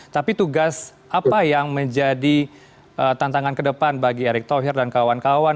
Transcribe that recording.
tapi tugas apa yang menjadi tantangan kedepan bagi erik thohir dan kawan kawan